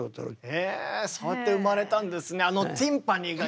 えぇそうやって生まれたんですね。